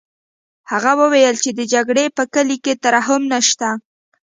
هغه وویل چې د جګړې په کلي کې ترحم نشته